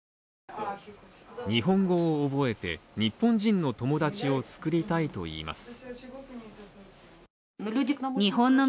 日本語を覚えて日本人の友達をつくりたいといいます。